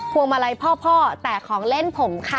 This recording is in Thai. วงมาลัยพ่อแต่ของเล่นผมค่ะ